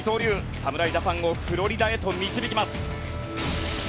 侍ジャパンをフロリダへと導きます。